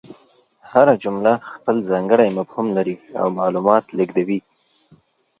هره جمله خپل ځانګړی مفهوم لري او معلومات لېږدوي.